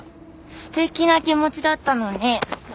素敵な気持ちだったのに。